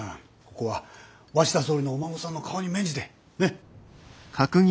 ここは鷲田総理のお孫さんの顔に免じてね。